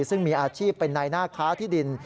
ซึ่งมีอาชีพเป็นในหน้าค้าที่ดิน